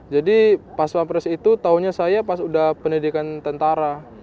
jadi pas pampres itu tahunnya saya pas sudah pendidikan tentara